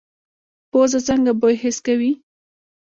پوزه څنګه بوی حس کوي؟